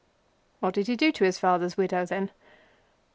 "What did he do to his father's widow, then?"